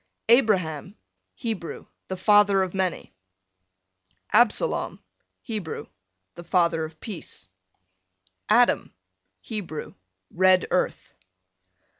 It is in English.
Abraham, Hebrew, the father of many. Absalom, Hebrew, the father of peace. Adam, Hebrew, red earth.